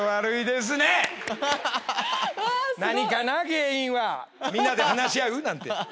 原因はみんなで話し合う？なんて。